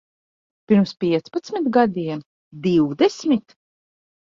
Pirms piecpadsmit gadiem? Divdesmit?